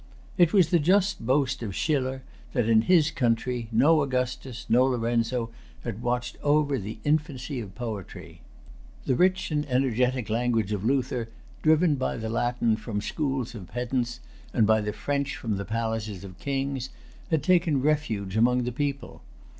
It was the just boast of Schiller that, in his country, no Augustus, no Lorenzo, had watched over the infancy of poetry. The rich and energetic language of Luther, driven by the Latin from the schools of pedants, and by the French from the palaces of kings, had taken refuge among the people.